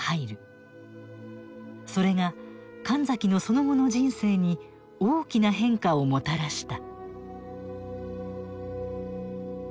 それが神崎のその後の人生に大きな変化をもたらした。